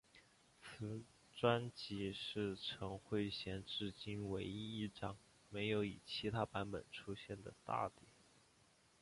此专辑是陈慧娴至今唯一一张没有以其他版本出现的大碟。